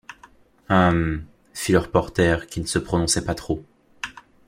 Hum fit le reporter, qui ne se prononçait pas trop